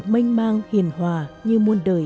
mênh mang hiền hòa như muôn đời